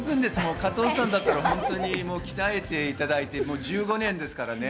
加藤さんだったら鍛えていただいて１５年ですからね。